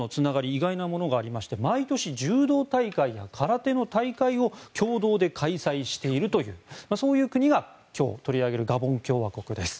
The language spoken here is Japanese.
意外なものがありまして毎年、柔道大会や空手の大会を共同で開催しているというそういう国が今日、取り上げるガボン共和国です。